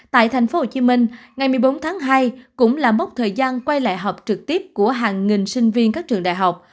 tại thành phố hồ chí minh ngày một mươi bốn tháng hai cũng là mốc thời gian quay lại học trực tiếp của hàng nghìn sinh viên các trường đại học